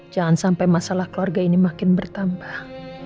jangan sampai masalah keluarga ini makin bertambah